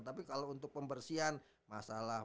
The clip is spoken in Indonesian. tapi kalau untuk pembersihan masalah